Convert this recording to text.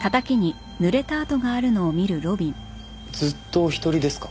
ずっとお一人ですか？